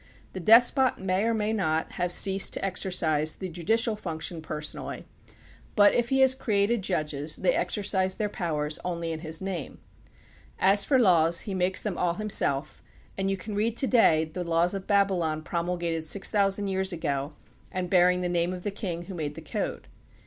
The despot may or may not have ceased to exercise the judicial THE PUBLIC OPINION BILL 5 function personally, but if he has created judges they exercise their powers only in his name. As for laws, he makes them all himself, and you can read to day the laws of Babylon promulgated six thousand years ago and bearing the name of the king who made the code.